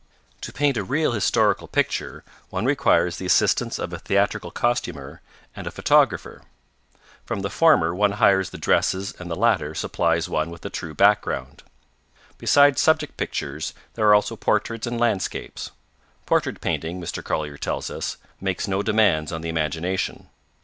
To paint a real historical picture one requires the assistance of a theatrical costumier and a photographer. From the former one hires the dresses and the latter supplies one with the true background. Besides subject pictures there are also portraits and landscapes. Portrait painting, Mr. Collier tells us, 'makes no demands on the imagination.'